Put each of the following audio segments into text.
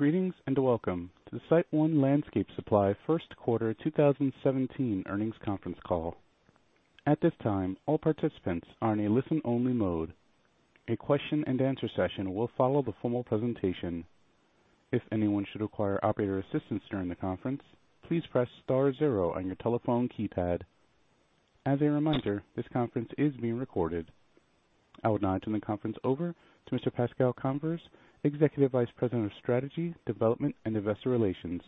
Greetings, welcome to the SiteOne Landscape Supply first quarter 2017 earnings conference call. At this time, all participants are in a listen-only mode. A question and answer session will follow the formal presentation. If anyone should require operator assistance during the conference, please press star zero on your telephone keypad. As a reminder, this conference is being recorded. I would now turn the conference over to Mr. Pascal Convers, Executive Vice President of Strategy, Development, and Investor Relations.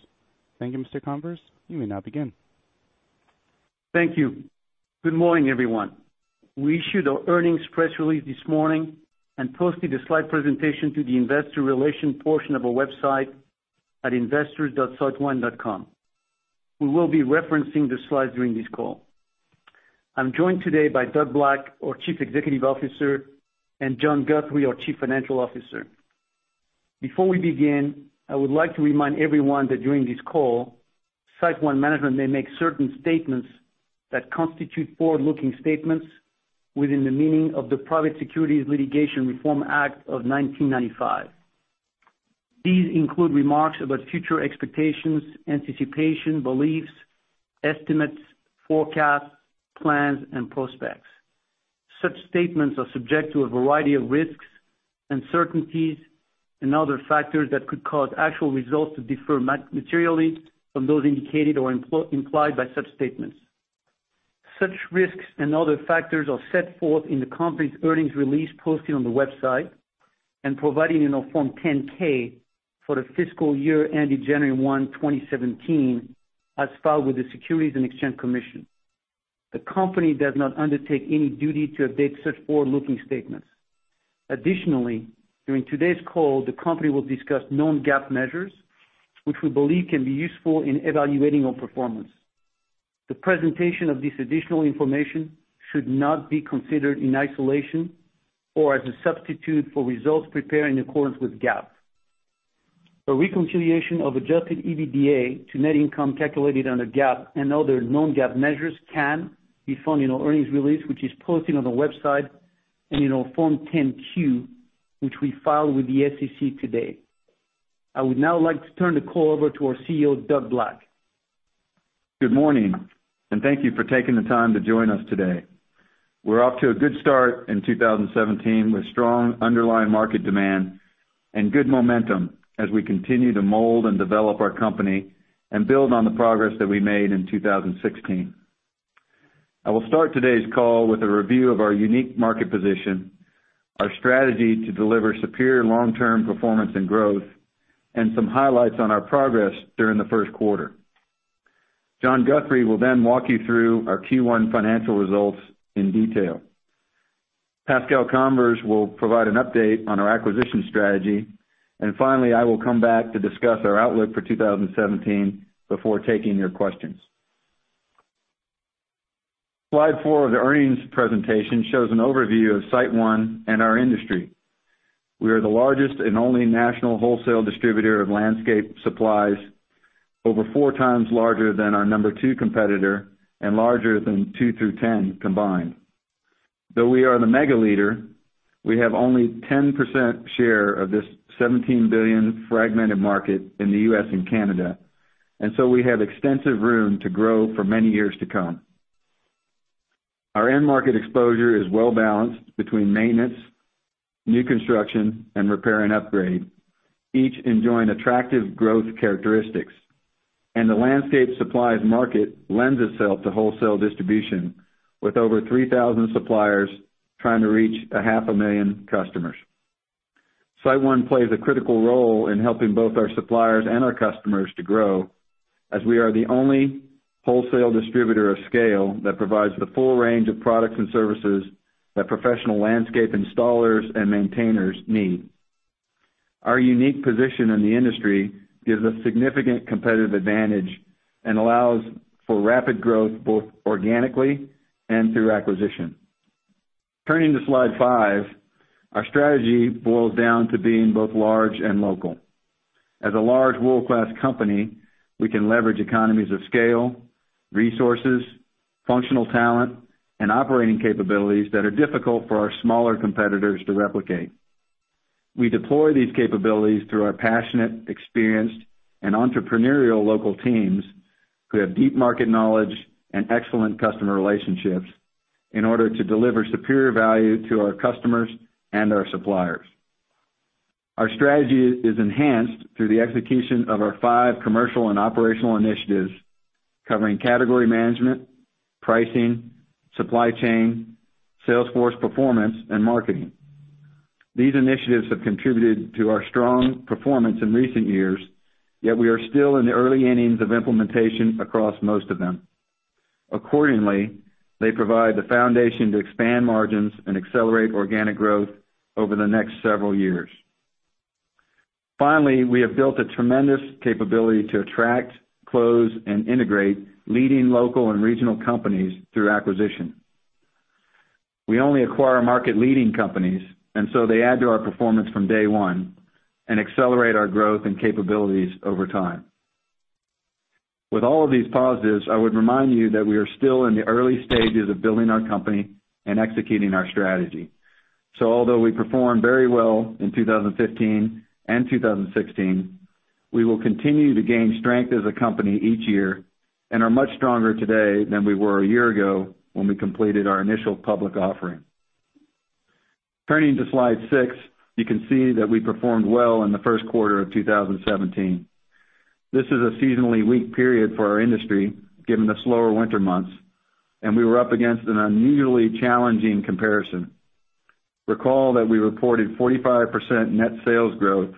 Thank you, Mr. Convers. You may now begin. Thank you. Good morning, everyone. We issued our earnings press release this morning and posted a slide presentation to the investor relations portion of our website at investors.siteone.com. We will be referencing the slides during this call. I'm joined today by Doug Black, our Chief Executive Officer, and John Guthrie, our Chief Financial Officer. Before we begin, I would like to remind everyone that during this call, SiteOne management may make certain statements that constitute forward-looking statements within the meaning of the Private Securities Litigation Reform Act of 1995. These include remarks about future expectations, anticipation, beliefs, estimates, forecasts, plans, and prospects. Such statements are subject to a variety of risks, uncertainties, and other factors that could cause actual results to differ materially from those indicated or implied by such statements. Such risks and other factors are set forth in the company's earnings release posted on the website and provided in our Form 10-K for the fiscal year ending January 1, 2017, as filed with the Securities and Exchange Commission. The company does not undertake any duty to update such forward-looking statements. Additionally, during today's call, the company will discuss non-GAAP measures which we believe can be useful in evaluating our performance. The presentation of this additional information should not be considered in isolation or as a substitute for results prepared in accordance with GAAP. A reconciliation of adjusted EBITDA to net income calculated under GAAP and other non-GAAP measures can be found in our earnings release which is posted on the website and in our Form 10-Q, which we filed with the SEC today. I would now like to turn the call over to our CEO, Doug Black. Good morning, thank you for taking the time to join us today. We're off to a good start in 2017 with strong underlying market demand and good momentum as we continue to mold and develop our company and build on the progress that we made in 2016. I will start today's call with a review of our unique market position, our strategy to deliver superior long-term performance and growth, and some highlights on our progress during the first quarter. John Guthrie will walk you through our Q1 financial results in detail. Pascal Convers will provide an update on our acquisition strategy. Finally, I will come back to discuss our outlook for 2017 before taking your questions. Slide four of the earnings presentation shows an overview of SiteOne and our industry. We are the largest and only national wholesale distributor of landscape supplies, over four times larger than our number 2 competitor and larger than 2 through 10 combined. Though we are the mega leader, we have only 10% share of this $17 billion fragmented market in the U.S. and Canada. We have extensive room to grow for many years to come. Our end market exposure is well-balanced between maintenance, new construction, and repair and upgrade, each enjoying attractive growth characteristics. The landscape supplies market lends itself to wholesale distribution with over 3,000 suppliers trying to reach a half a million customers. SiteOne plays a critical role in helping both our suppliers and our customers to grow, as we are the only wholesale distributor of scale that provides the full range of products and services that professional landscape installers and maintainers need. Our unique position in the industry gives us significant competitive advantage and allows for rapid growth both organically and through acquisition. Turning to slide five, our strategy boils down to being both large and local. As a large world-class company, we can leverage economies of scale, resources, functional talent, and operating capabilities that are difficult for our smaller competitors to replicate. We deploy these capabilities through our passionate, experienced, and entrepreneurial local teams who have deep market knowledge and excellent customer relationships in order to deliver superior value to our customers and our suppliers. Our strategy is enhanced through the execution of our five commercial and operational initiatives covering category management, pricing, supply chain, sales force performance, and marketing. These initiatives have contributed to our strong performance in recent years, yet we are still in the early innings of implementation across most of them. Accordingly, they provide the foundation to expand margins and accelerate organic growth over the next several years. Finally, we have built a tremendous capability to attract, close, and integrate leading local and regional companies through acquisition. We only acquire market-leading companies, so they add to our performance from day one and accelerate our growth and capabilities over time. With all of these positives, I would remind you that we are still in the early stages of building our company and executing our strategy. Although we performed very well in 2015 and 2016, we will continue to gain strength as a company each year and are much stronger today than we were a year ago when we completed our initial public offering. Turning to slide six, you can see that we performed well in the first quarter of 2017. This is a seasonally weak period for our industry, given the slower winter months. We were up against an unusually challenging comparison. Recall that we reported 45% net sales growth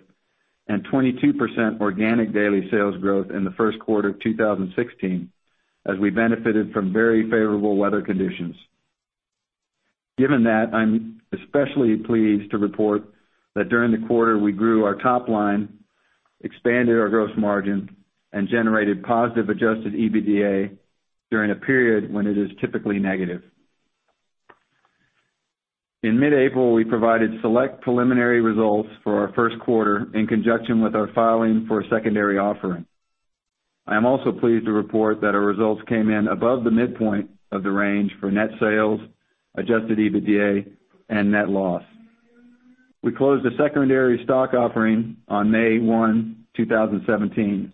and 22% organic daily sales growth in the first quarter of 2016 as we benefited from very favorable weather conditions. Given that, I am especially pleased to report that during the quarter, we grew our top line, expanded our gross margin, and generated positive adjusted EBITDA during a period when it is typically negative. In mid-April, we provided select preliminary results for our first quarter in conjunction with our filing for a secondary offering. I am also pleased to report that our results came in above the midpoint of the range for net sales, adjusted EBITDA, and net loss. We closed a secondary stock offering on May 1, 2017.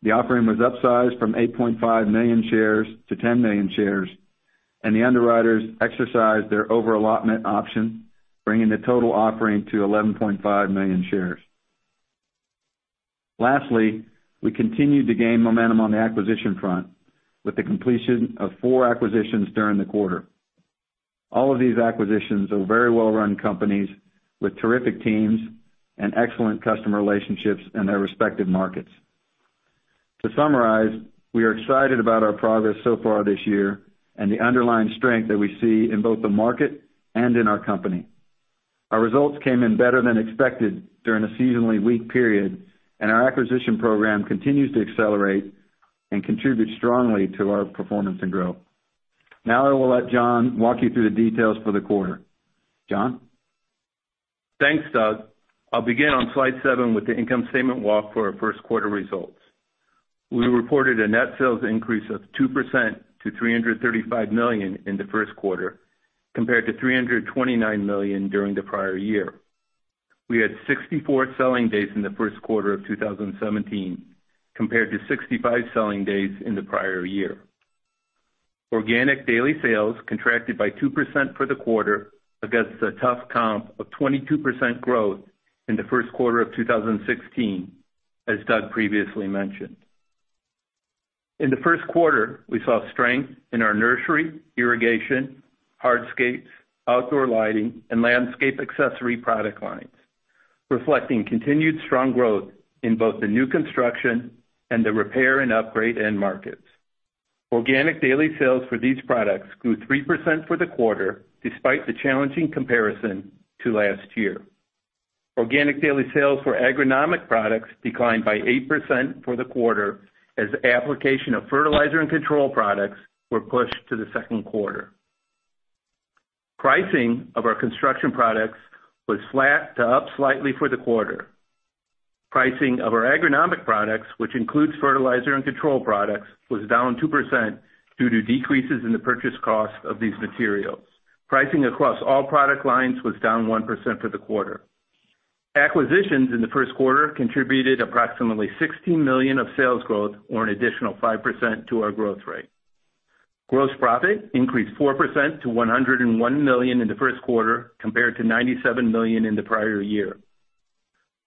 The offering was upsized from 8.5 million shares to 10 million shares, and the underwriters exercised their over-allotment option, bringing the total offering to 11.5 million shares. Lastly, we continued to gain momentum on the acquisition front with the completion of four acquisitions during the quarter. All of these acquisitions are very well-run companies with terrific teams and excellent customer relationships in their respective markets. To summarize, we are excited about our progress so far this year and the underlying strength that we see in both the market and in our company. Our results came in better than expected during a seasonally weak period, and our acquisition program continues to accelerate and contribute strongly to our performance and growth. Now I will let John walk you through the details for the quarter. John? Thanks, Doug. I'll begin on slide seven with the income statement walk for our first quarter results. We reported a net sales increase of 2% to $335 million in the first quarter, compared to $329 million during the prior year. We had 64 selling days in the first quarter of 2017, compared to 65 selling days in the prior year. Organic daily sales contracted by 2% for the quarter against a tough comp of 22% growth in the first quarter of 2016, as Doug previously mentioned. In the first quarter, we saw strength in our nursery, irrigation, hardscapes, outdoor lighting, and landscape accessories product lines, reflecting continued strong growth in both the new construction and the repair and upgrade end markets. Organic daily sales for these products grew 3% for the quarter, despite the challenging comparison to last year. Organic daily sales for agronomic products declined by 8% for the quarter as the application of fertilizer and control products were pushed to the second quarter. Pricing of our construction products was flat to up slightly for the quarter. Pricing of our agronomic products, which includes fertilizer and control products, was down 2% due to decreases in the purchase cost of these materials. Pricing across all product lines was down 1% for the quarter. Acquisitions in the first quarter contributed approximately $16 million of sales growth or an additional 5% to our growth rate. Gross profit increased 4% to $101 million in the first quarter, compared to $97 million in the prior year.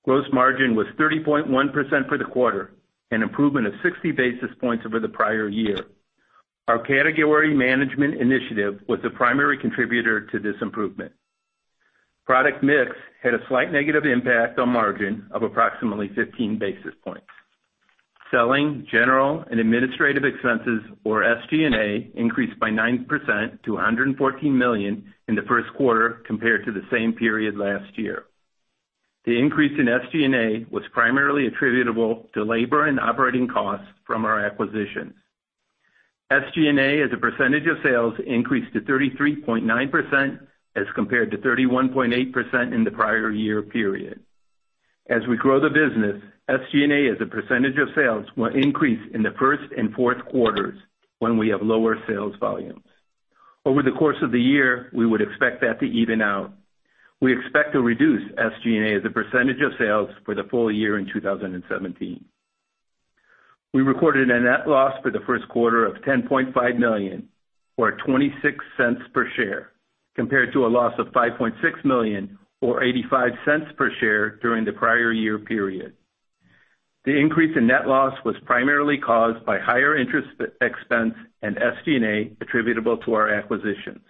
Gross margin was 30.1% for the quarter, an improvement of 60 basis points over the prior year. Our category management initiative was the primary contributor to this improvement. Product mix had a slight negative impact on margin of approximately 15 basis points. Selling, general, and administrative expenses, or SG&A, increased by 9% to $114 million in the first quarter compared to the same period last year. The increase in SG&A was primarily attributable to labor and operating costs from our acquisitions. SG&A as a percentage of sales increased to 33.9% as compared to 31.8% in the prior year period. As we grow the business, SG&A as a percentage of sales will increase in the first and fourth quarters when we have lower sales volumes. Over the course of the year, we would expect that to even out. We expect to reduce SG&A as a percentage of sales for the full year in 2017. We recorded a net loss for the first quarter of $10.5 million, or $0.26 per share, compared to a loss of $5.6 million or $0.85 per share during the prior year period. The increase in net loss was primarily caused by higher interest expense and SG&A attributable to our acquisitions.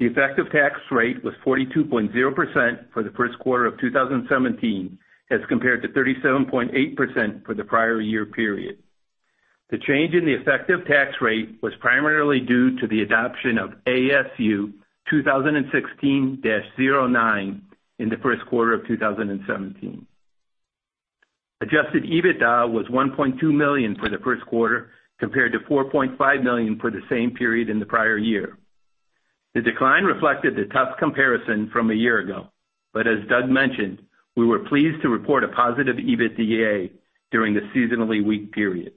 The effective tax rate was 42.0% for the first quarter of 2017 as compared to 37.8% for the prior year period. The change in the effective tax rate was primarily due to the adoption of ASU 2016-09 in the first quarter of 2017. Adjusted EBITDA was $1.2 million for the first quarter, compared to $4.5 million for the same period in the prior year. The decline reflected the tough comparison from a year ago, but as Doug mentioned, we were pleased to report a positive EBITDA during the seasonally weak period.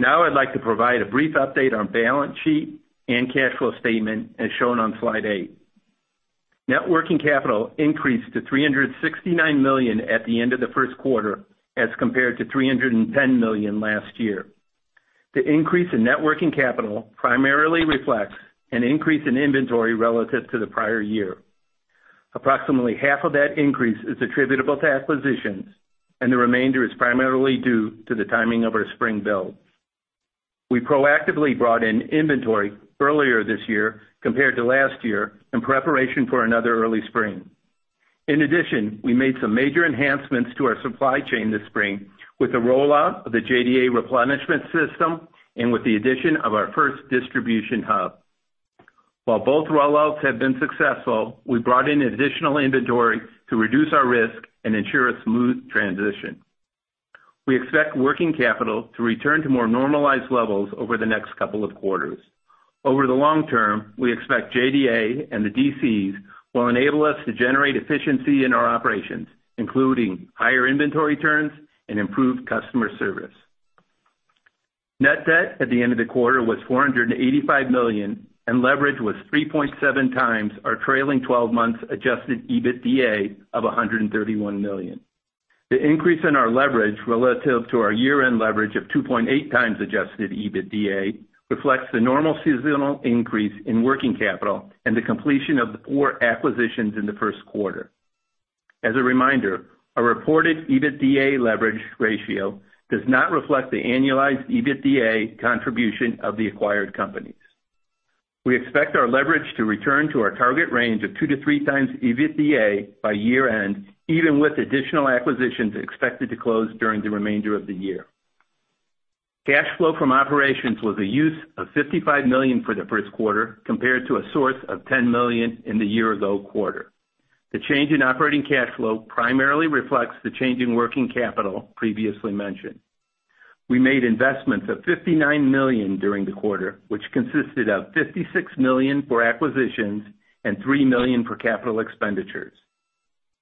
I'd like to provide a brief update on balance sheet and cash flow statement as shown on slide eight. Net working capital increased to $369 million at the end of the first quarter as compared to $310 million last year. The increase in net working capital primarily reflects an increase in inventory relative to the prior year. Approximately half of that increase is attributable to acquisitions, and the remainder is primarily due to the timing of our spring build. We proactively brought in inventory earlier this year compared to last year in preparation for another early spring. In addition, we made some major enhancements to our supply chain this spring with the rollout of the JDA replenishment system and with the addition of our first distribution hub. While both rollouts have been successful, we brought in additional inventory to reduce our risk and ensure a smooth transition. We expect working capital to return to more normalized levels over the next couple of quarters. Over the long term, we expect JDA and the DCs will enable us to generate efficiency in our operations, including higher inventory turns and improved customer service. Net debt at the end of the quarter was $485 million, and leverage was 3.7 times our trailing 12 months adjusted EBITDA of $131 million. The increase in our leverage relative to our year-end leverage of 2.8 times adjusted EBITDA reflects the normal seasonal increase in working capital and the completion of the four acquisitions in the first quarter. As a reminder, our reported EBITDA leverage ratio does not reflect the annualized EBITDA contribution of the acquired companies. We expect our leverage to return to our target range of two to three times EBITDA by year-end, even with additional acquisitions expected to close during the remainder of the year. Cash flow from operations was a use of $55 million for the first quarter, compared to a source of $10 million in the year-ago quarter. The change in operating cash flow primarily reflects the change in working capital previously mentioned. We made investments of $59 million during the quarter, which consisted of $56 million for acquisitions and $3 million for capital expenditures.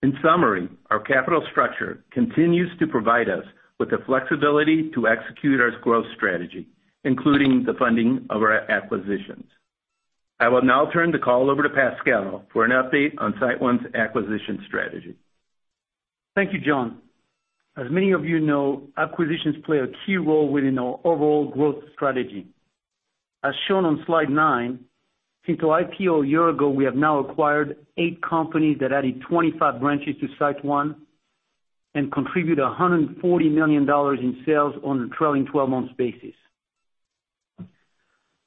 In summary, our capital structure continues to provide us with the flexibility to execute our growth strategy, including the funding of our acquisitions. I will now turn the call over to Pascal for an update on SiteOne's acquisition strategy. Thank you, John. As many of you know, acquisitions play a key role within our overall growth strategy. As shown on slide nine, since our IPO a year ago, we have now acquired eight companies that added 25 branches to SiteOne and contribute $140 million in sales on a trailing 12 months basis.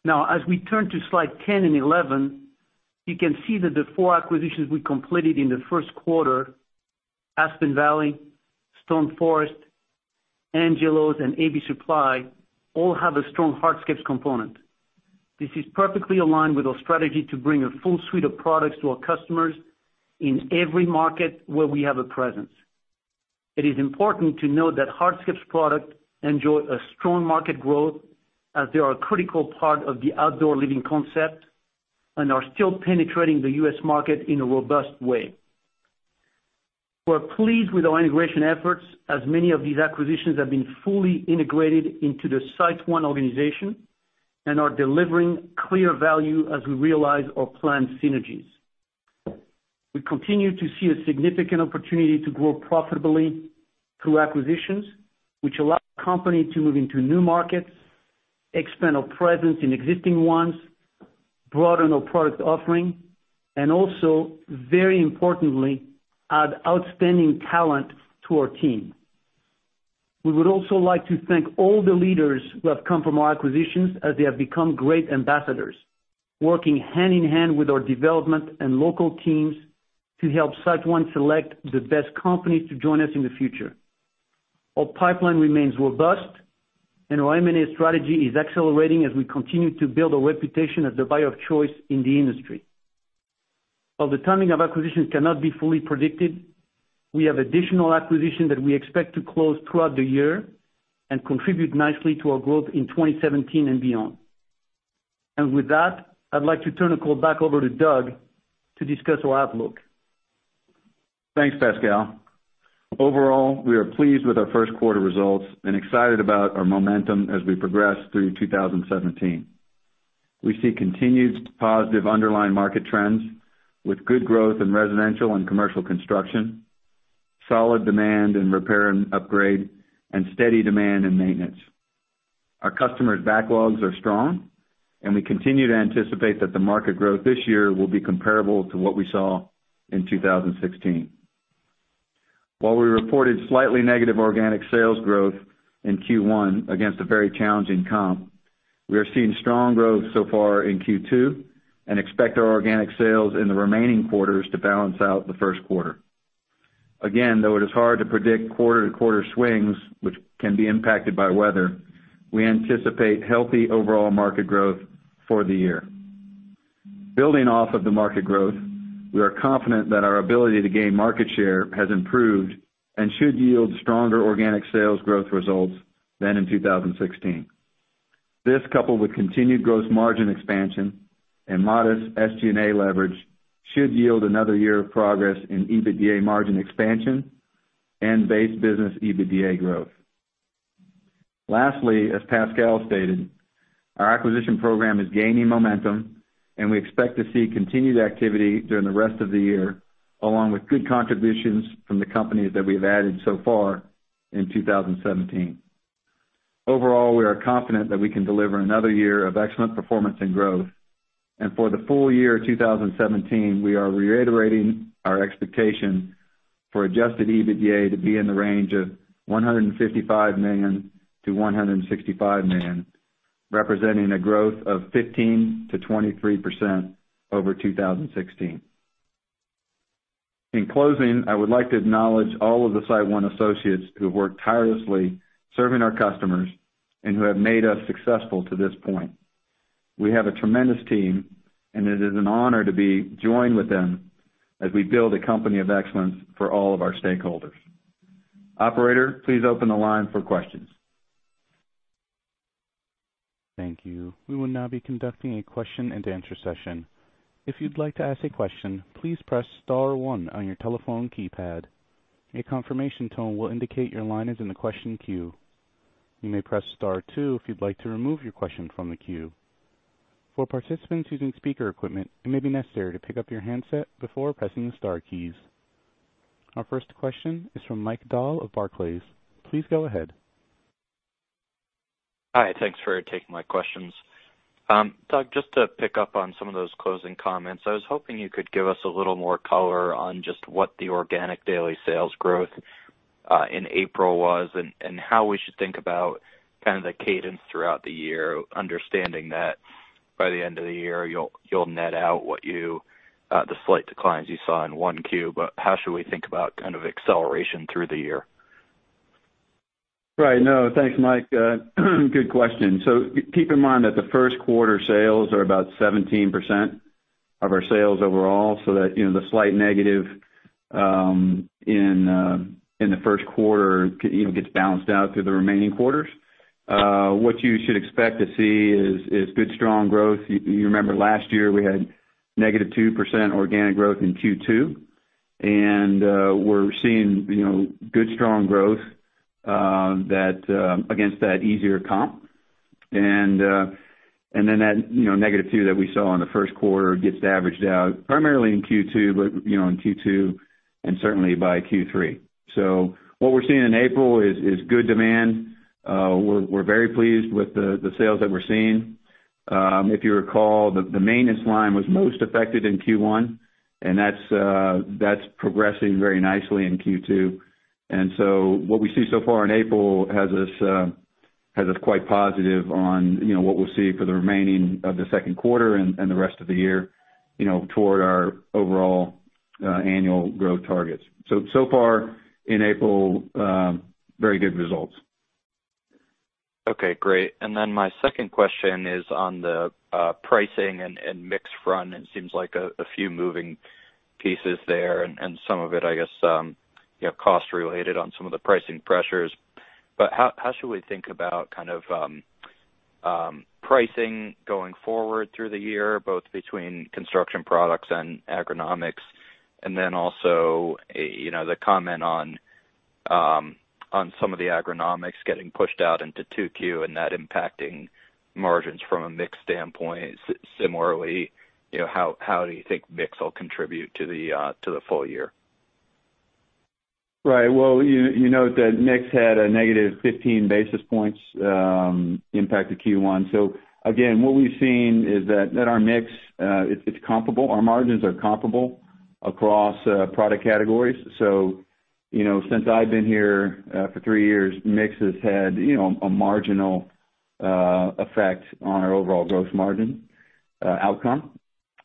As we turn to slide 10 and 11, you can see that the four acquisitions we completed in the first quarter, Aspen Valley, Stone Forest, Angelo's, and AB Supply, all have a strong hardscapes component. This is perfectly aligned with our strategy to bring a full suite of products to our customers in every market where we have a presence. It is important to note that hardscapes product enjoy a strong market growth as they are a critical part of the outdoor living concept and are still penetrating the U.S. market in a robust way. We're pleased with our integration efforts as many of these acquisitions have been fully integrated into the SiteOne organization and are delivering clear value as we realize our planned synergies. We continue to see a significant opportunity to grow profitably through acquisitions, which allow the company to move into new markets, expand our presence in existing ones, broaden our product offering, also, very importantly, add outstanding talent to our team. We would also like to thank all the leaders who have come from our acquisitions, as they have become great ambassadors, working hand in hand with our development and local teams to help SiteOne select the best companies to join us in the future. Our pipeline remains robust, and our M&A strategy is accelerating as we continue to build a reputation as the buyer of choice in the industry. While the timing of acquisitions cannot be fully predicted, we have additional acquisition that we expect to close throughout the year and contribute nicely to our growth in 2017 and beyond. With that, I'd like to turn the call back over to Doug to discuss our outlook. Thanks, Pascal. Overall, we are pleased with our first quarter results and excited about our momentum as we progress through 2017. We see continued positive underlying market trends with good growth in residential and commercial construction, solid demand in repair and upgrade, and steady demand in maintenance. Our customers' backlogs are strong, and we continue to anticipate that the market growth this year will be comparable to what we saw in 2016. While we reported slightly negative organic sales growth in Q1 against a very challenging comp, we are seeing strong growth so far in Q2 and expect our organic sales in the remaining quarters to balance out the first quarter. Again, though it is hard to predict quarter-to-quarter swings which can be impacted by weather, we anticipate healthy overall market growth for the year. Building off of the market growth We are confident that our ability to gain market share has improved and should yield stronger organic sales growth results than in 2016. This, coupled with continued gross margin expansion and modest SG&A leverage, should yield another year of progress in EBITDA margin expansion and base business EBITDA growth. Lastly, as Pascal stated, our acquisition program is gaining momentum and we expect to see continued activity during the rest of the year, along with good contributions from the companies that we've added so far in 2017. Overall, we are confident that we can deliver another year of excellent performance and growth. For the full year 2017, we are reiterating our expectation for adjusted EBITDA to be in the range of $155 million-$165 million, representing a growth of 15%-23% over 2016. In closing, I would like to acknowledge all of the SiteOne associates who have worked tirelessly serving our customers and who have made us successful to this point. We have a tremendous team, and it is an honor to be joined with them as we build a company of excellence for all of our stakeholders. Operator, please open the line for questions. Thank you. We will now be conducting a question and answer session. If you'd like to ask a question, please press star one on your telephone keypad. A confirmation tone will indicate your line is in the question queue. You may press star two if you'd like to remove your question from the queue. For participants using speaker equipment, it may be necessary to pick up your handset before pressing the star keys. Our first question is from Mike Dahl of Barclays. Please go ahead. Hi. Thanks for taking my questions. Doug, just to pick up on some of those closing comments, I was hoping you could give us a little more color on just what the organic daily sales growth in April was and how we should think about kind of the cadence throughout the year, understanding that by the end of the year, you'll net out the slight declines you saw in 1Q, but how should we think about kind of acceleration through the year? Right. No, thanks, Mike. Good question. Keep in mind that the first quarter sales are about 17% of our sales overall, that the slight negative in the first quarter gets balanced out through the remaining quarters. What you should expect to see is good, strong growth. You remember last year, we had negative 2% organic growth in Q2, and we're seeing good, strong growth against that easier comp. That negative 2 that we saw in the first quarter gets averaged out primarily in Q2, and certainly by Q3. What we're seeing in April is good demand. We're very pleased with the sales that we're seeing. If you recall, the maintenance line was most affected in Q1, and that's progressing very nicely in Q2. What we see so far in April has us quite positive on what we'll see for the remaining of the second quarter and the rest of the year toward our overall annual growth targets. Far in April, very good results. Okay, great. My second question is on the pricing and mix front, it seems like a few moving pieces there and some of it, I guess, cost related on some of the pricing pressures. How should we think about kind of pricing going forward through the year, both between construction products and agronomics? Also the comment on some of the agronomics getting pushed out into 2Q and that impacting margins from a mix standpoint. Similarly, how do you think mix will contribute to the full year? Right. Well, you note that mix had a negative 15 basis points impact to Q1. Again, what we've seen is that our mix, it's comparable. Our margins are comparable across product categories. Since I've been here for three years, mix has had a marginal effect on our overall gross margin outcome.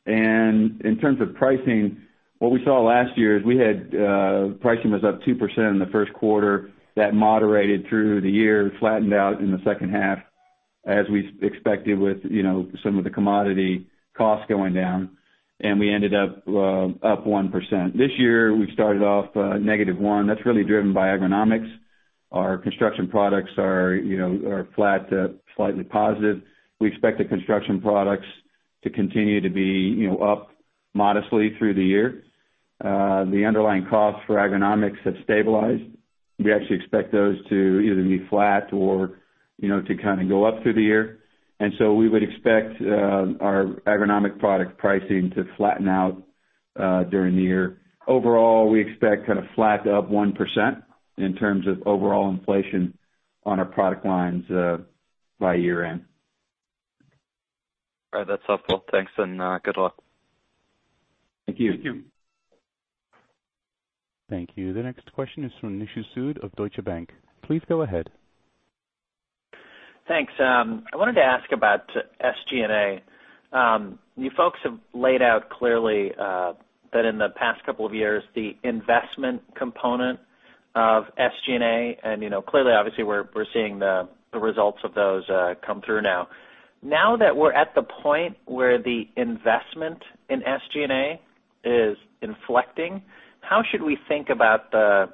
In terms of pricing, what we saw last year is pricing was up 2% in the first quarter. That moderated through the year, flattened out in the second half as we expected with some of the commodity costs going down, and we ended up 1%. This year, we started off negative 1. That's really driven by agronomics. Our construction products are flat to slightly positive. We expect the construction products to continue to be up modestly through the year. The underlying costs for agronomics have stabilized. We actually expect those to either be flat or to kind of go up through the year. We would expect our agronomic product pricing to flatten out during the year. Overall, we expect kind of flat to up 1% in terms of overall inflation on our product lines by year end. All right, that's helpful. Thanks and good luck. Thank you. Thank you. The next question is from Nishu Sood of Deutsche Bank. Please go ahead. Thanks. I wanted to ask about SG&A. You folks have laid out clearly that in the past couple of years, the investment component of SG&A, and clearly, obviously, we're seeing the results of those come through now. Now that we're at the point where the investment in SG&A is inflecting, how should we think about the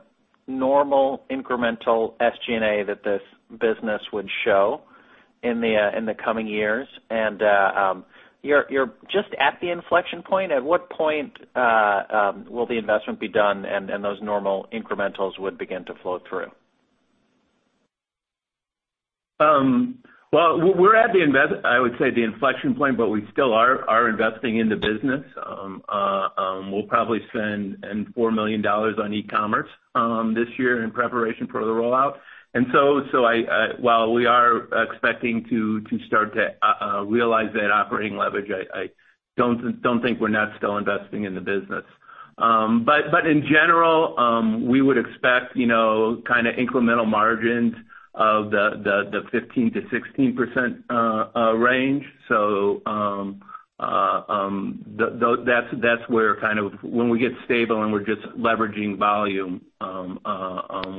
normal incremental SG&A that this business would show in the coming years? You're just at the inflection point. At what point will the investment be done and those normal incrementals would begin to flow through? Well, we're at the, I would say, the inflection point, but we still are investing in the business. We'll probably spend $4 million on e-commerce this year in preparation for the rollout. While we are expecting to start to realize that operating leverage, I don't think we're not still investing in the business. In general, we would expect incremental margins of the 15%-16% range. That's where when we get stable and we're just leveraging volume,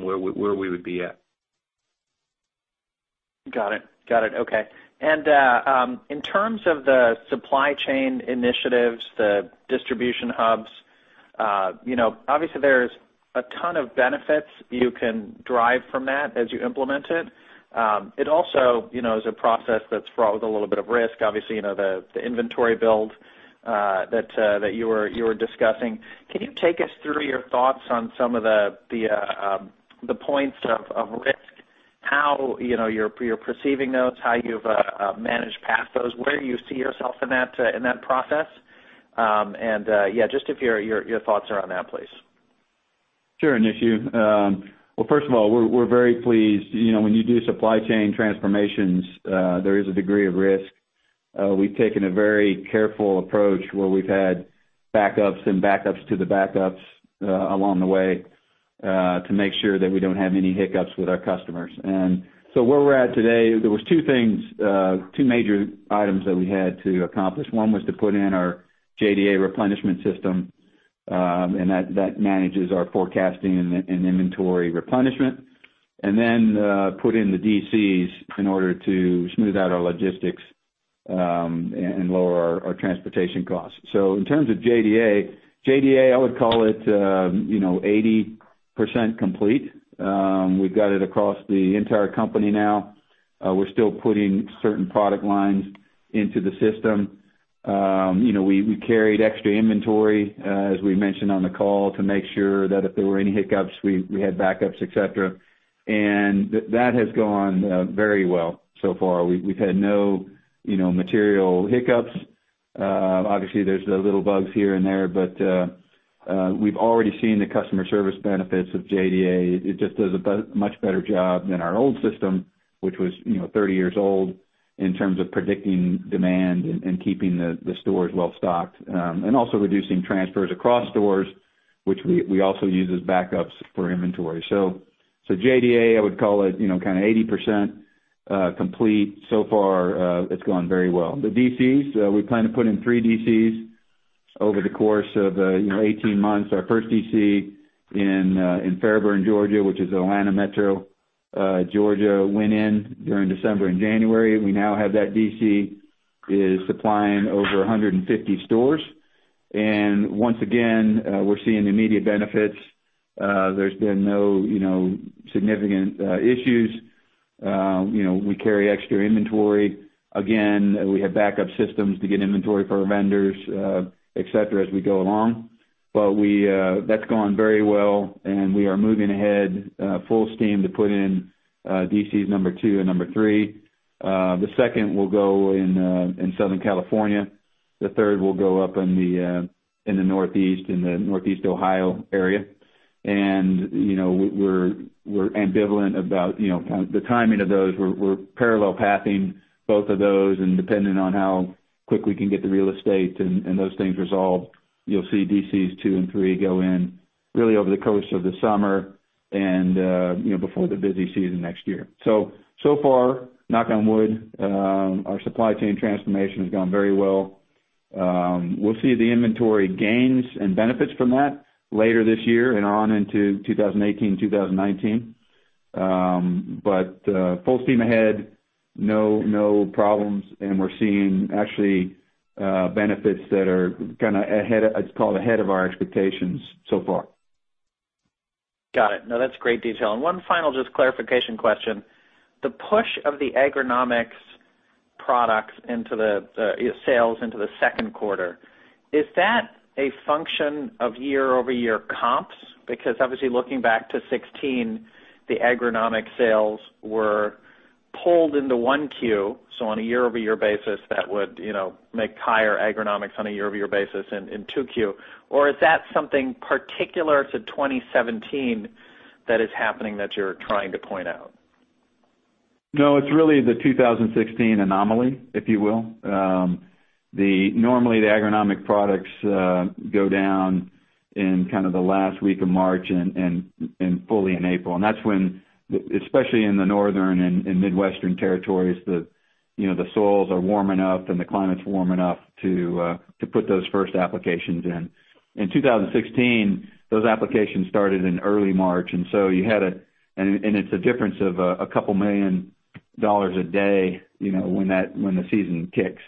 where we would be at. Got it. Okay. In terms of the supply chain initiatives, the distribution hubs, obviously there's a ton of benefits you can derive from that as you implement it. It also is a process that's fraught with a little bit of risk. Obviously, the inventory build that you were discussing. Can you take us through your thoughts on some of the points of risk, how you're perceiving those, how you've managed past those, where you see yourself in that process? Yeah, just your thoughts around that, please. Sure, Nishu. Well, first of all, we're very pleased. When you do supply chain transformations, there is a degree of risk. We've taken a very careful approach where we've had backups and backups to the backups along the way to make sure that we don't have any hiccups with our customers. Where we're at today, there was two things, two major items that we had to accomplish. One was to put in our JDA replenishment system, and that manages our forecasting and inventory replenishment, and then put in the DCs in order to smooth out our logistics and lower our transportation costs. In terms of JDA, I would call it 80% complete. We've got it across the entire company now. We're still putting certain product lines into the system. We carried extra inventory, as we mentioned on the call, to make sure that if there were any hiccups, we had backups, et cetera. That has gone very well so far. We've had no material hiccups. Obviously, there's the little bugs here and there, but we've already seen the customer service benefits of JDA. It just does a much better job than our old system, which was 30 years old, in terms of predicting demand and keeping the stores well-stocked, and also reducing transfers across stores, which we also use as backups for inventory. JDA, I would call it 80% complete. So far it's gone very well. The DCs, we plan to put in 3 DCs over the course of 18 months. Our first DC in Fairburn, Georgia, which is Atlanta Metro, Georgia, went in during December and January. We now have that DC is supplying over 150 stores. Once again, we're seeing immediate benefits. There's been no significant issues. We carry extra inventory. Again, we have backup systems to get inventory from our vendors, et cetera, as we go along. That's gone very well, and we are moving ahead full steam to put in DCs number 2 and number 3. The second will go in Southern California. The third will go up in the Northeast, in the Northeast Ohio area. We're ambivalent about the timing of those. We're parallel pathing both of those, and depending on how quick we can get the real estate and those things resolved, you'll see DCs two and three go in really over the course of the summer and before the busy season next year. So far, knock on wood, our supply chain transformation has gone very well. We'll see the inventory gains and benefits from that later this year and on into 2018, 2019. Full steam ahead, no problems, and we're seeing actually benefits that are ahead, let's call it ahead of our expectations so far. Got it. No, that's great detail. One final just clarification question. The push of the agronomic products into the sales into the second quarter, is that a function of year-over-year comps? Obviously looking back to 2016, the agronomic sales were pulled into 1Q. On a year-over-year basis, that would make higher agronomics on a year-over-year basis in 2Q. Is that something particular to 2017 that is happening that you're trying to point out? No, it's really the 2016 anomaly, if you will. Normally, the agronomic products go down in kind of the last week of March and fully in April. That's when, especially in the northern and Midwestern territories, the soils are warm enough, and the climate's warm enough to put those first applications in. In 2016, those applications started in early March, and it's a difference of a couple million dollars a day, when the season kicks.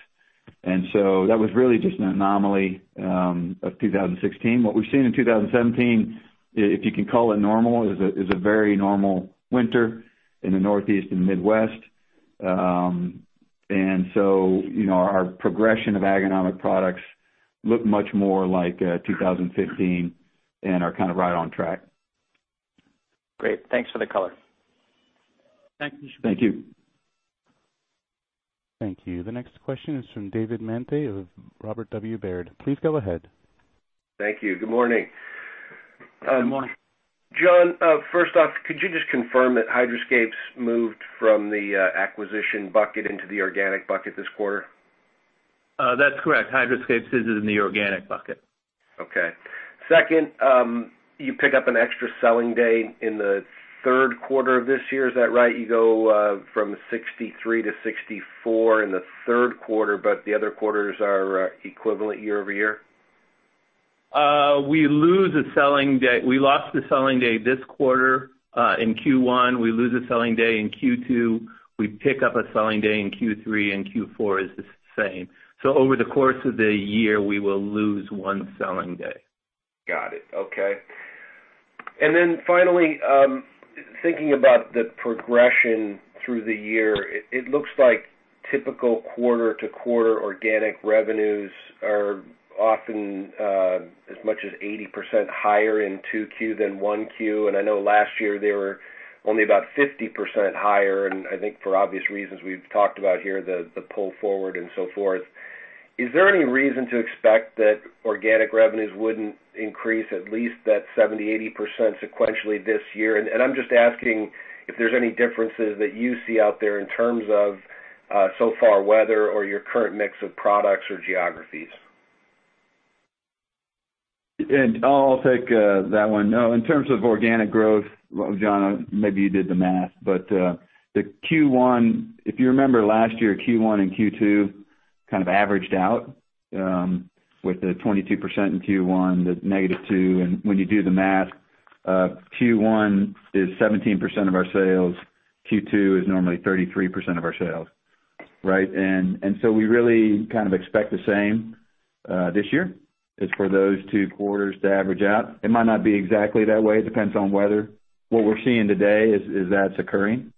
That was really just an anomaly of 2016. What we've seen in 2017, if you can call it normal, is a very normal winter in the Northeast and Midwest. Our progression of agronomic products look much more like 2015 and are right on track. Great. Thanks for the color. Thank you. Thank you. Thank you. The next question is from David Manthey of Robert W. Baird. Please go ahead. Thank you. Good morning. Good morning. John, first off, could you just confirm that Hydro-Scape moved from the acquisition bucket into the organic bucket this quarter? That's correct. Hydroscapes is in the organic bucket. Okay. Second, you pick up an extra selling day in the third quarter of this year. Is that right? You go from 63 to 64 in the third quarter, but the other quarters are equivalent year-over-year? We lost a selling day this quarter, in Q1. We lose a selling day in Q2. We pick up a selling day in Q3, Q4 is the same. Over the course of the year, we will lose one selling day. Got it. Okay. Finally, thinking about the progression through the year, it looks like typical quarter-to-quarter organic revenues are often as much as 80% higher in 2Q than 1Q, I know last year they were only about 50% higher, I think for obvious reasons we've talked about here, the pull forward and so forth. Is there any reason to expect that organic revenues wouldn't increase at least that 70%, 80% sequentially this year? I'm just asking if there's any differences that you see out there in terms of so far weather or your current mix of products or geographies. I'll take that one. In terms of organic growth, John, maybe you did the math, but if you remember last year, Q1 and Q2 kind of averaged out with the 22% in Q1, the -2%, and when you do the math, Q1 is 17% of our sales, Q2 is normally 33% of our sales. Right? We really kind of expect the same this year, is for those two quarters to average out. It might not be exactly that way, it depends on weather. What we're seeing today is that it's occurring.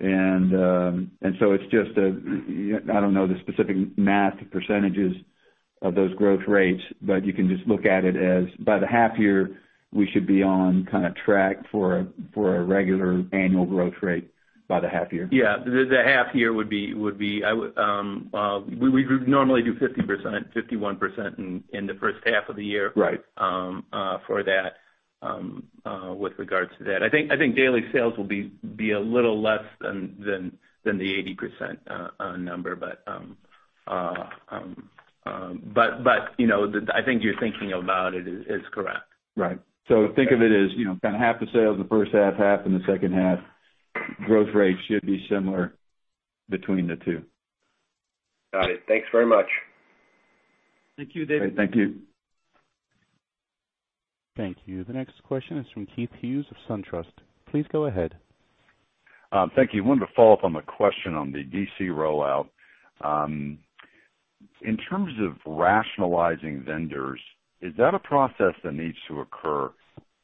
It's just, I don't know the specific math percentages of those growth rates, but you can just look at it as by the half year, we should be on track for a regular annual growth rate by the half year. Yeah. The half year would be. We normally do 50%, 51% in the first half of the year. Right for that, with regards to that. I think daily sales will be a little less than the 80% number. I think you're thinking about it is correct. Right. Think of it as half the sales in the first half in the second half. Growth rates should be similar between the two. Got it. Thanks very much. Thank you, David. Thank you. Thank you. The next question is from Keith Hughes of SunTrust. Please go ahead. Thank you. Wanted to follow up on the question on the DC rollout. In terms of rationalizing vendors, is that a process that needs to occur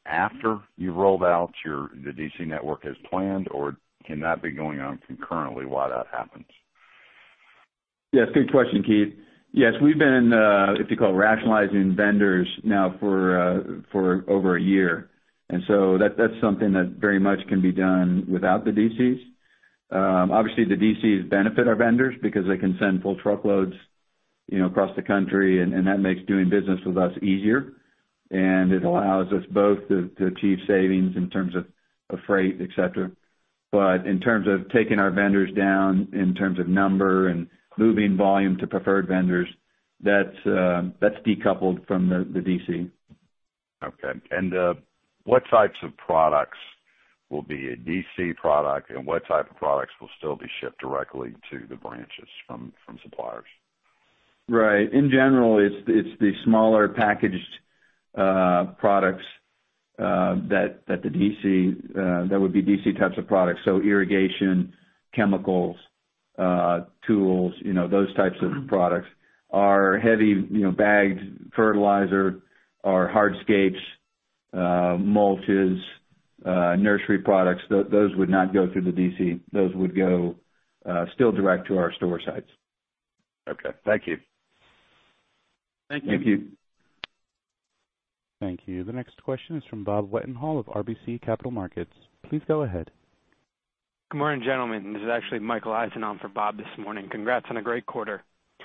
after you roll out the DC network as planned, or can that be going on concurrently while that happens? Yes, good question, Keith. Yes, we've been, if you call, rationalizing vendors now for over a year. That's something that very much can be done without the DCs. Obviously, the DCs benefit our vendors because they can send full truckloads across the country, and that makes doing business with us easier, and it allows us both to achieve savings in terms of freight, et cetera. In terms of taking our vendors down in terms of number and moving volume to preferred vendors, that's decoupled from the DC. Okay. What types of products will be a DC product and what type of products will still be shipped directly to the branches from suppliers? Right. In general, it's the smaller packaged products that would be DC types of products. So irrigation, chemicals, tools, those types of products. Our heavy bagged fertilizer, our hardscapes, mulches, nursery products, those would not go through the DC. Those would go still direct to our store sites. Okay. Thank you. Thank you. Thank you. Thank you. The next question is from Robert Wetenhall of RBC Capital Markets. Please go ahead. Good morning, gentlemen. This is actually Michael Eisen on for Bob this morning. Congrats on a great quarter.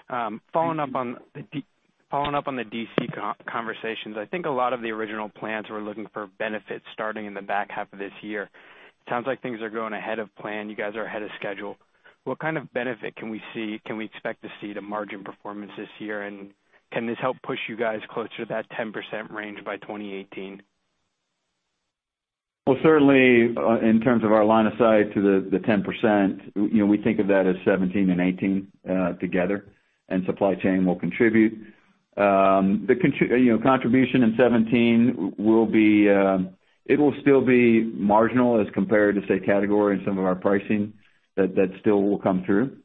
Thank you. Following up on the DC conversations, I think a lot of the original plans were looking for benefits starting in the back half of this year. Sounds like things are going ahead of plan. You guys are ahead of schedule. What kind of benefit can we expect to see to margin performance this year, and can this help push you guys closer to that 10% range by 2018? Well, certainly, in terms of our line of sight to the 10%, we think of that as 2017 and 2018 together, and supply chain will contribute. The contribution in 2017, it will still be marginal as compared to, say, category and some of our pricing that still will come through.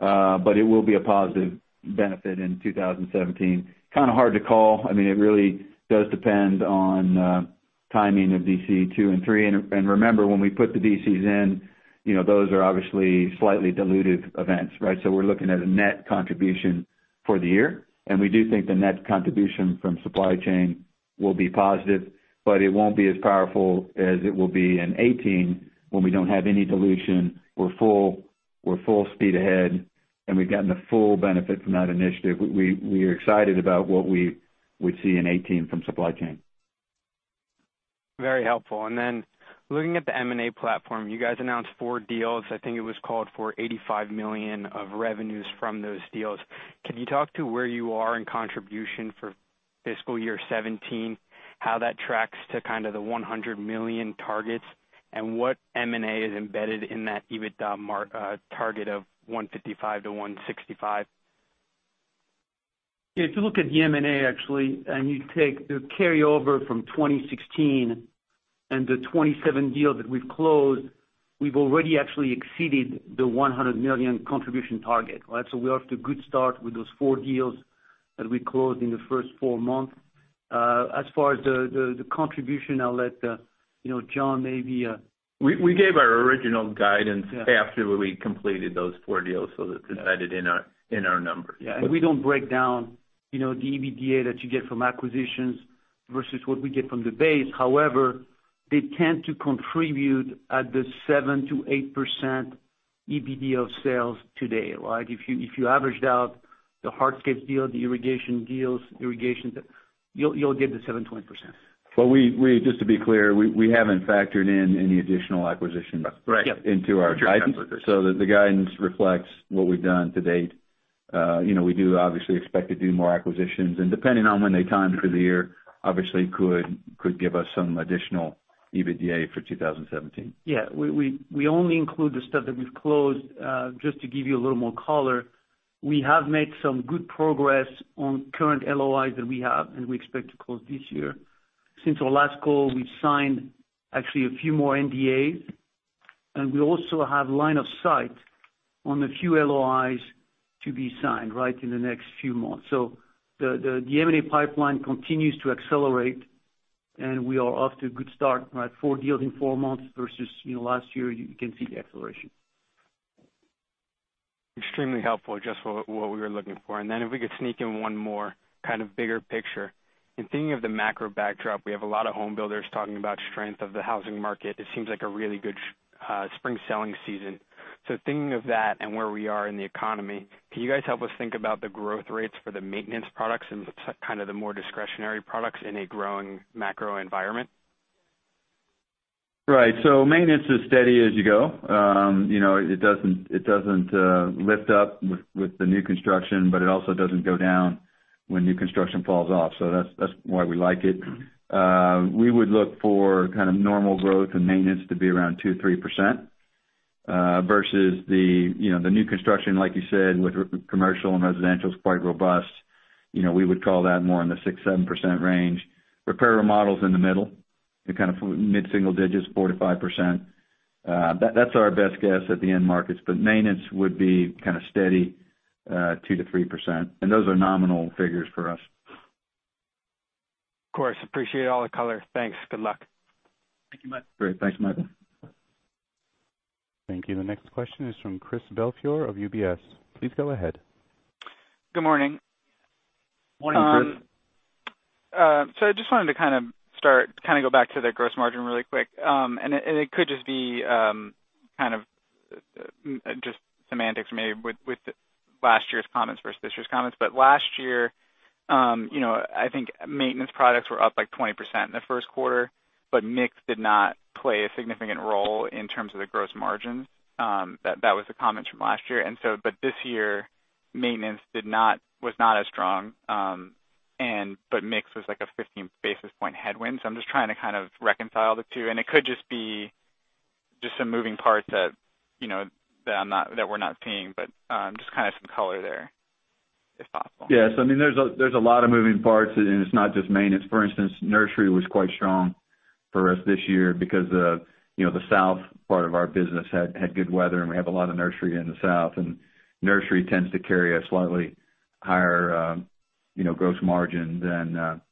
It will be a positive benefit in 2017. Kind of hard to call. It really does depend on timing of DC 2 and 3. Remember, when we put the DCs in, those are obviously slightly dilutive events, right? We're looking at a net contribution for the year, and we do think the net contribution from supply chain will be positive, but it won't be as powerful as it will be in 2018 when we don't have any dilution, we're full speed ahead, and we've gotten the full benefit from that initiative. We're excited about what we would see in 2018 from supply chain. Very helpful. Looking at the M&A platform, you guys announced four deals. I think it was called for $85 million of revenues from those deals. Can you talk to where you are in contribution for fiscal year 2017, how that tracks to kind of the $100 million targets, and what M&A is embedded in that EBITDA target of $155 million-$165 million? If you look at the M&A actually, and you take the carryover from 2016 and the 27 deals that we've closed, we've already actually exceeded the $100 million contribution target. We're off to a good start with those four deals that we closed in the first four months. As far as the contribution, I'll let John. We gave our original guidance after we completed those four deals, so that's embedded in our numbers. We don't break down the EBITDA that you get from acquisitions versus what we get from the base. However, they tend to contribute at the 7%-8% EBITDA of sales today. If you averaged out the hardscapes deal, the irrigation deals, you'll get the 7.8%. Just to be clear, we haven't factored in any additional acquisitions. Right into our guidance. The guidance reflects what we've done to date. We do obviously expect to do more acquisitions, and depending on when they time through the year, obviously could give us some additional EBITDA for 2017. We only include the stuff that we've closed. Just to give you a little more color, we have made some good progress on current LOIs that we have and we expect to close this year. Since our last call, we've signed actually a few more NDAs, and we also have line of sight on a few LOIs to be signed in the next few months. The M&A pipeline continues to accelerate, and we are off to a good start. Four deals in four months versus last year, you can see the acceleration. Extremely helpful. Just what we were looking for. If we could sneak in one more kind of bigger picture. In thinking of the macro backdrop, we have a lot of home builders talking about strength of the housing market. It seems like a really good spring selling season. Thinking of that and where we are in the economy, can you guys help us think about the growth rates for the maintenance products and kind of the more discretionary products in a growing macro environment? Right. Maintenance is steady as you go. It doesn't lift up with the new construction, but it also doesn't go down when new construction falls off. That's why we like it. We would look for kind of normal growth in maintenance to be around 2%, 3%, versus the new construction, like you said, with commercial and residential, is quite robust. We would call that more in the 6%, 7% range. Repair/remodel's in the middle, in kind of mid-single digits, 4%-5%. That's our best guess at the end markets. Maintenance would be kind of steady, 2%-3%, and those are nominal figures for us. Of course. Appreciate all the color. Thanks. Good luck. Thank you, Mike. Great. Thanks, Michael. Thank you. The next question is from Christopher Belfiore of UBS. Please go ahead. Good morning. Morning, Chris. I just wanted to start, go back to the gross margin really quick. It could just be semantics maybe with last year's comments versus this year's comments. Last year, I think maintenance products were up like 20% in the first quarter, but mix did not play a significant role in terms of the gross margins. That was the comments from last year. This year, maintenance was not as strong, but mix was like a 15 basis point headwind. I'm just trying to reconcile the two, and it could just be some moving parts that we're not seeing, but just some color there, if possible. Yes. There's a lot of moving parts, and it's not just maintenance. For instance, nursery was quite strong for us this year because the South part of our business had good weather, and we have a lot of nursery in the South, and nursery tends to carry a slightly higher gross margin than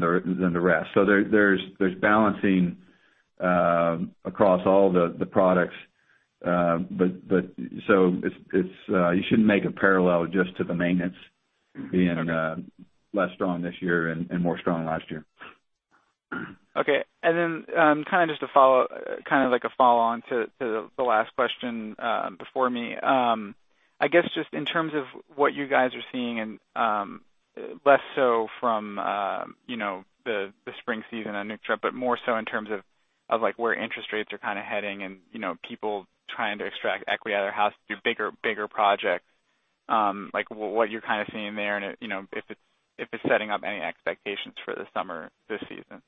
the rest. There's balancing across all the products. You shouldn't make a parallel just to the maintenance being less strong this year and more strong last year. Okay. Like a follow-on to the last question before me. In terms of what you guys are seeing, less so from the spring season on new drip, but more so in terms of where interest rates are heading and people trying to extract equity out of their house to do bigger projects, like what you're seeing there and if it's setting up any expectations for the summer this season.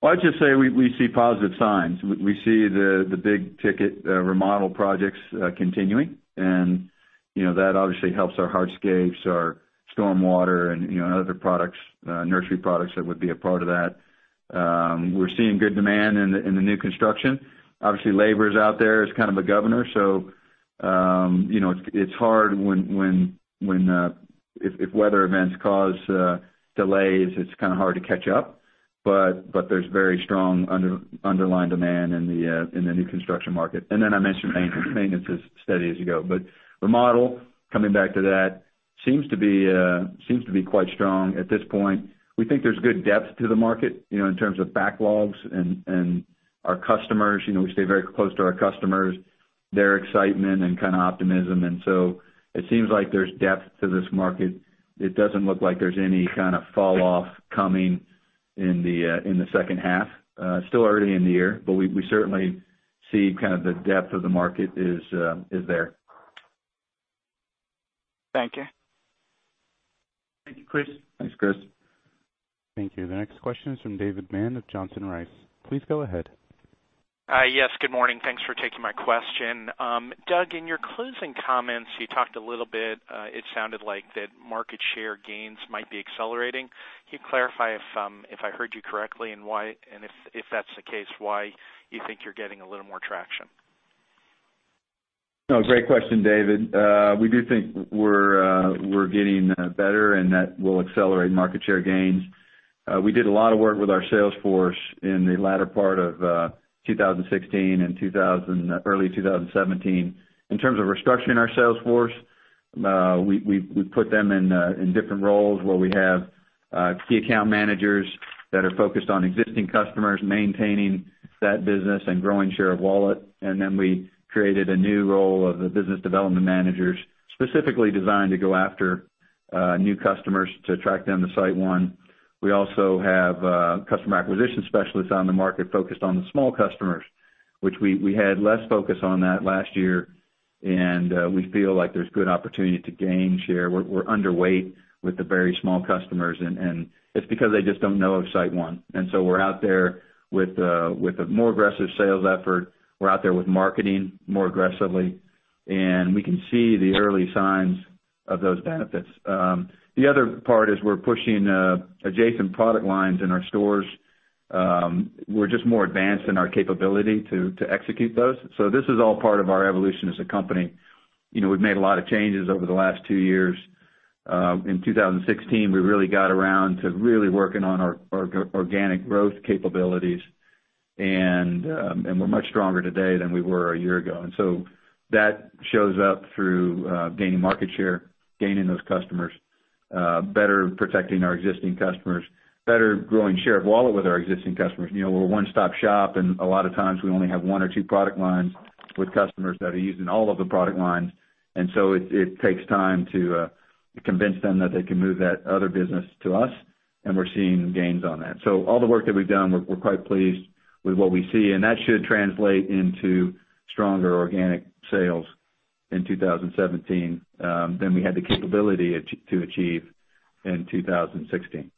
I'd just say we see positive signs. We see the big ticket remodel projects continuing, that obviously helps our hardscapes, our stormwater, and other nursery products that would be a part of that. We're seeing good demand in the new construction. Obviously, labor is out there as a governor. It's hard if weather events cause delays, it's hard to catch up. There's very strong underlying demand in the new construction market. I mentioned maintenance. Maintenance is steady as you go. Remodel, coming back to that, seems to be quite strong at this point. We think there's good depth to the market, in terms of backlogs and our customers. We stay very close to our customers, their excitement and optimism. It seems like there's depth to this market. It doesn't look like there's any kind of falloff coming in the second half. Still early in the year, we certainly see the depth of the market is there. Thank you. Thank you, Chris. Thanks, Chris. Thank you. The next question is from David Mann of Johnson Rice. Please go ahead. Yes, good morning. Thanks for taking my question. Doug, in your closing comments, you talked a little bit, it sounded like that market share gains might be accelerating. Can you clarify if I heard you correctly and if that's the case, why you think you're getting a little more traction? No, great question, David. We do think we're getting better, and that will accelerate market share gains. We did a lot of work with our sales force in the latter part of 2016 and early 2017. In terms of restructuring our sales force, we put them in different roles where we have key account managers that are focused on existing customers, maintaining that business and growing share of wallet. Then we created a new role of the business development managers, specifically designed to go after new customers to attract them to SiteOne. We also have customer acquisition specialists on the market focused on the small customers, which we had less focus on that last year, and we feel like there's good opportunity to gain share. It's because they just don't know of SiteOne. We're out there with a more aggressive sales effort. We're out there with marketing more aggressively, we can see the early signs of those benefits. The other part is we're pushing adjacent product lines in our stores. We're just more advanced in our capability to execute those. This is all part of our evolution as a company. We've made a lot of changes over the last two years. In 2016, we really got around to really working on our organic growth capabilities, and we're much stronger today than we were a year ago. That shows up through gaining market share, gaining those customers, better protecting our existing customers, better growing share of wallet with our existing customers. We're a one-stop shop, and a lot of times we only have one or two product lines with customers that are using all of the product lines. It takes time to convince them that they can move that other business to us, and we're seeing gains on that. All the work that we've done, we're quite pleased with what we see, and that should translate into stronger organic sales in 2017 than we had the capability to achieve in 2016.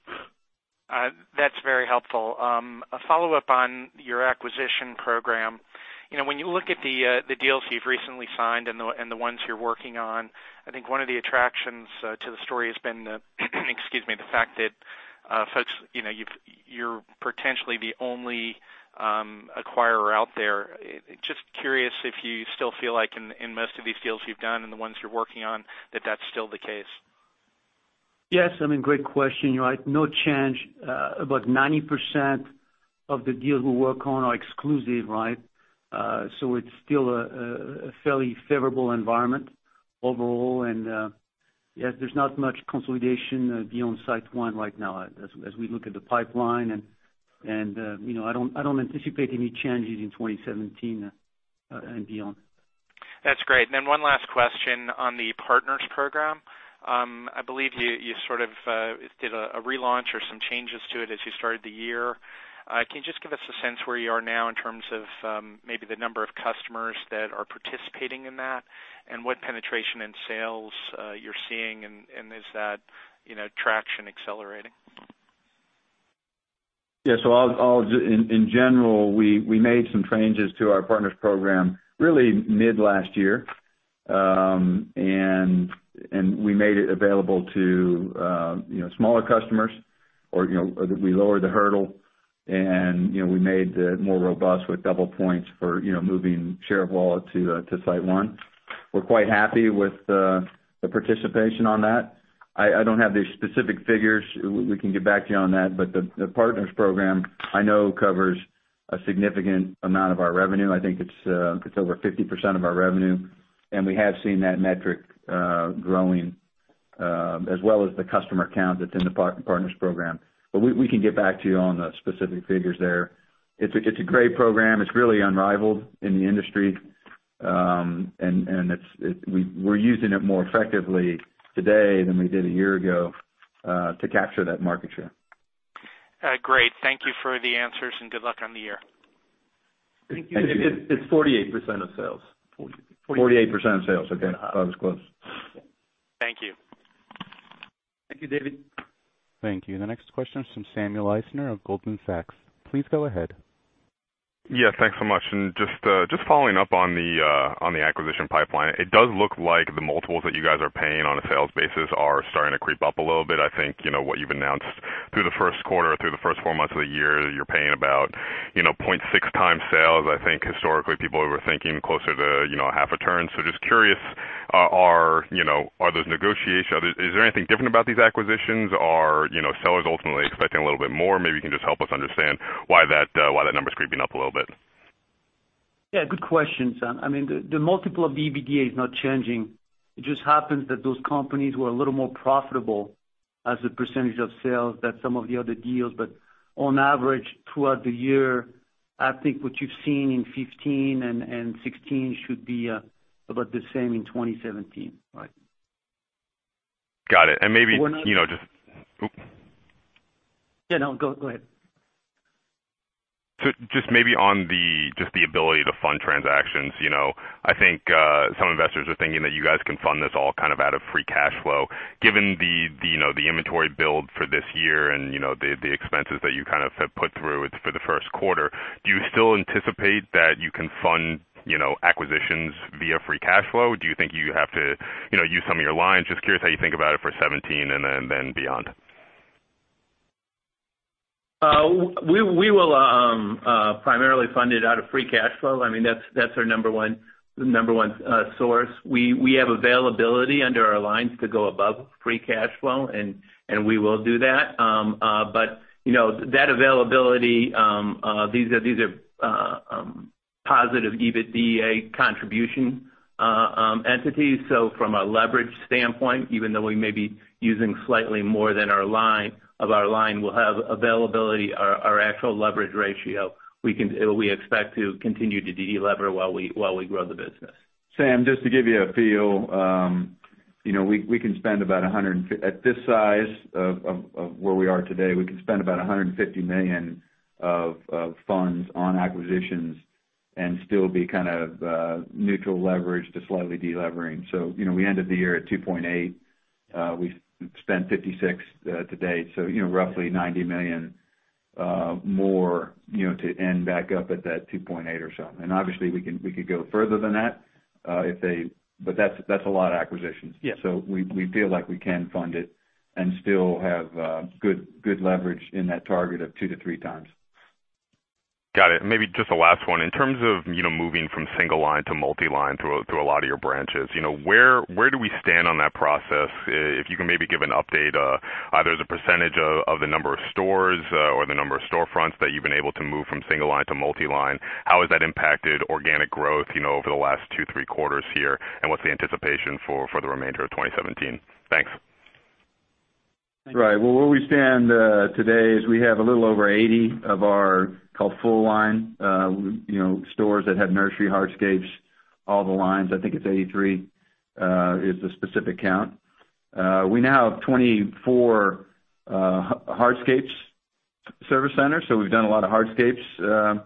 That's very helpful. A follow-up on your acquisition program. When you look at the deals you've recently signed and the ones you're working on, I think one of the attractions to the story has been excuse me, the fact that you're potentially the only acquirer out there. Just curious if you still feel like in most of these deals you've done and the ones you're working on, that that's still the case. Yes, great question. You're right. No change. About 90% of the deals we work on are exclusive, right? It's still a fairly favorable environment overall. Yes, there's not much consolidation beyond SiteOne right now as we look at the pipeline, and I don't anticipate any changes in 2017 and beyond. That's great. One last question on the Partners Program. I believe you sort of did a relaunch or some changes to it as you started the year. Can you just give us a sense where you are now in terms of maybe the number of customers that are participating in that, and what penetration in sales you're seeing, and is that traction accelerating? In general, we made some changes to our Partners Program really mid last year. We made it available to smaller customers or we lowered the hurdle and we made it more robust with double points for moving share of wallet to SiteOne. We're quite happy with the participation on that. I don't have the specific figures. We can get back to you on that. The Partners Program I know covers a significant amount of our revenue. I think it's over 50% of our revenue, and we have seen that metric growing as well as the customer count that's in the Partners Program. We can get back to you on the specific figures there. It's a great program. It's really unrivaled in the industry. We're using it more effectively today than we did a year ago to capture that market share. Great. Thank you for the answers and good luck on the year. Thank you. It's 48% of sales. 48% of sales. Okay, I was close. Thank you. Thank you, David. Thank you. The next question is from Samuel Eisner of Goldman Sachs. Please go ahead. Yeah, thanks so much. Just following up on the acquisition pipeline. It does look like the multiples that you guys are paying on a sales basis are starting to creep up a little bit. I think, what you've announced through the first quarter, through the first four months of the year, you're paying about 0.6 times sales. I think historically, people were thinking closer to half a turn. Just curious, is there anything different about these acquisitions? Are sellers ultimately expecting a little bit more? Maybe you can just help us understand why that number's creeping up a little bit. Yeah, good question, Sam. I mean, the multiple of the EBITDA is not changing. It just happens that those companies were a little more profitable as a percentage of sales than some of the other deals. On average, throughout the year, I think what you've seen in 2015 and 2016 should be about the same in 2017. Right. Got it. Yeah, no, go ahead. Just maybe on just the ability to fund transactions. I think some investors are thinking that you guys can fund this all out of free cash flow. Given the inventory build for this year and the expenses that you have put through it for the first quarter, do you still anticipate that you can fund acquisitions via free cash flow? Do you think you have to use some of your lines? Just curious how you think about it for 2017 and then beyond. We will primarily fund it out of free cash flow. That's our number 1 source. We have availability under our lines to go above free cash flow, and we will do that. That availability, these are positive EBITDA contribution entities. From a leverage standpoint, even though we may be using slightly more than of our line, we'll have availability, our actual leverage ratio, we expect to continue to delever while we grow the business. Samuel, just to give you a feel, at this size of where we are today, we could spend about $150 million of funds on acquisitions and still be neutral leverage to slightly delevering. We ended the year at 2.8. We spent 56 to date, roughly $90 million more to end back up at that 2.8 or so. Obviously, we could go further than that's a lot of acquisitions. Yeah. We feel like we can fund it and still have good leverage in that target of 2 to 3 times. Got it. Maybe just the last one. In terms of moving from single line to multi-line through a lot of your branches, where do we stand on that process? If you can maybe give an update, either the percentage of the number of stores or the number of storefronts that you've been able to move from single line to multi-line, how has that impacted organic growth over the last two, three quarters here, and what's the anticipation for the remainder of 2017? Thanks. Right. Well, where we stand today is we have a little over 80 of our, called full line stores that have nursery, hardscapes, all the lines. I think it's 83 is the specific count. We now have 24 hardscapes service centers, so we've done a lot of hardscapes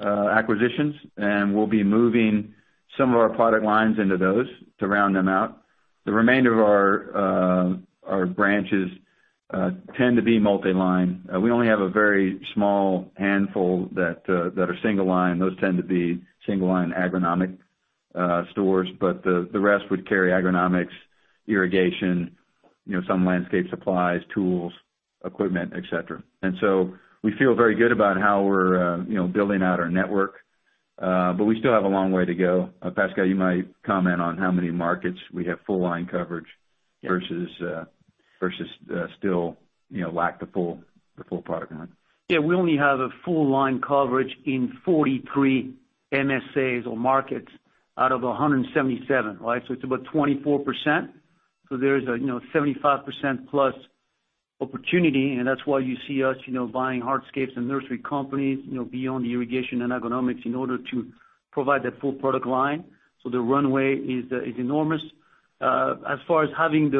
acquisitions, and we'll be moving some of our product lines into those to round them out. The remainder of our branches tend to be multi-line. We only have a very small handful that are single line. Those tend to be single line agronomic stores. The rest would carry agronomics, irrigation, some landscape supplies, tools, equipment, et cetera. We feel very good about how we're building out our network. We still have a long way to go. Pascal, you might comment on how many markets we have full line coverage versus still lack the full product line. Yeah, we only have a full line coverage in 43 MSAs or markets out of 177. It's about 24%. There is a 75% plus opportunity, and that's why you see us buying hardscapes and nursery companies beyond the irrigation and agronomics in order to provide that full product line. The runway is enormous. As far as having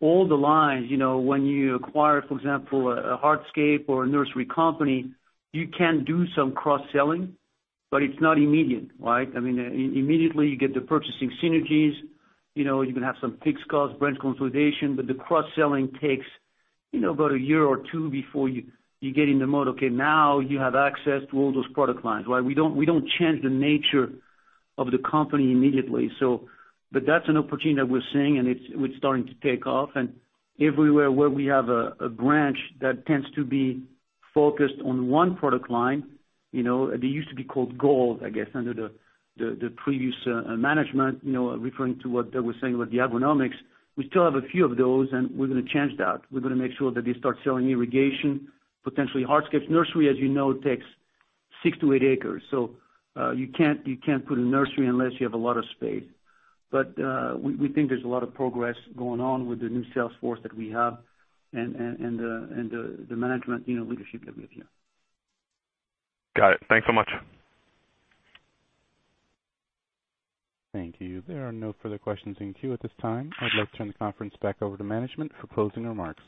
all the lines, when you acquire, for example, a hardscape or a nursery company, you can do some cross-selling, but it's not immediate. Right? Immediately, you get the purchasing synergies. You can have some fixed cost branch consolidation, but the cross-selling takes about a year or two before you get in the mode, okay, now you have access to all those product lines. We don't change the nature of the company immediately. That's an opportunity that we're seeing, and it's starting to take off. Everywhere where we have a branch that tends to be focused on one product line, they used to be called Gold, I guess, under the previous management, referring to what Doug was saying about the agronomics. We still have a few of those, and we're going to change that. We're going to make sure that they start selling irrigation, potentially hardscapes. Nursery, as you know, takes six to eight acres, so you can't put a nursery unless you have a lot of space. We think there's a lot of progress going on with the new sales force that we have and the management leadership that we have here. Got it. Thanks so much. Thank you. There are no further questions in queue at this time. I'd like to turn the conference back over to management for closing remarks.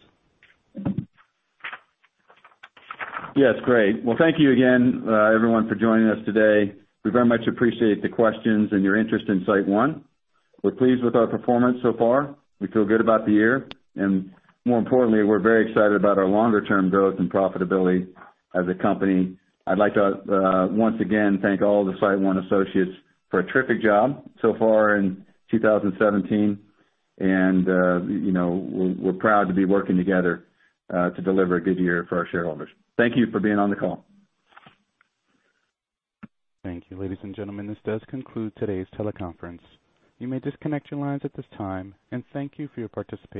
Yes, great. Well, thank you again, everyone, for joining us today. We very much appreciate the questions and your interest in SiteOne. We're pleased with our performance so far. We feel good about the year, and more importantly, we're very excited about our longer-term growth and profitability as a company. I'd like to once again thank all the SiteOne associates for a terrific job so far in 2017. We're proud to be working together to deliver a good year for our shareholders. Thank you for being on the call. Thank you. Ladies and gentlemen, this does conclude today's teleconference. You may disconnect your lines at this time, and thank you for your participation.